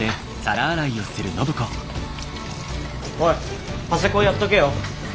おいパセコンやっとけよ。